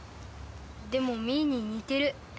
でもミィに似てる。